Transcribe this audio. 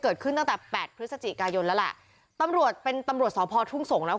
เกิดขึ้นตั้งแต่๘พฤศจิกายนแลล่ะตำรวจเป็นตำรวจสภทุงสงษ์นะครับ